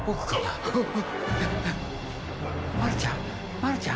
まるちゃん。